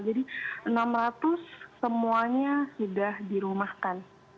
jadi enam ratus semuanya sudah dirumahkan